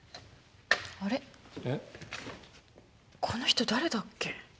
この人誰だっけ？